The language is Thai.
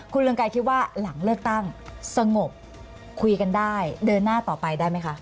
คุณเรืองไกรคิดว่าหลังเลือกตั้งสงบคุยกันได้เดินหน้าต่อไปได้ไหมคะ